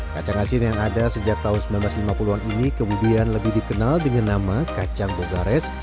kacang asin yang ada sejak tahun seribu sembilan ratus lima puluh an ini kemudian lebih dikenal dengan nama kacang bogares